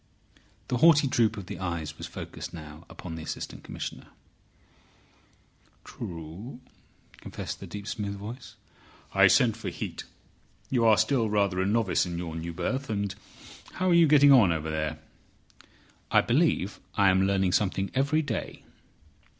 The haughty droop of the eyes was focussed now upon the Assistant Commissioner. "True," confessed the deep, smooth voice. "I sent for Heat. You are still rather a novice in your new berth. And how are you getting on over there?" "I believe I am learning something every day."